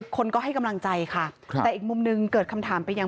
คนก็ให้กำลังใจค่ะแต่อีกมุมหนึ่งเกิดคำถามไปยัง